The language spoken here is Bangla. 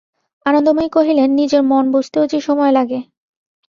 আনন্দময়ী কহিলেন, নিজের মন বুঝতেও যে সময় লাগে।